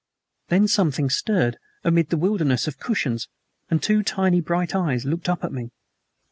Then something stirred amid the wilderness of cushions, and two tiny bright eyes looked up at me.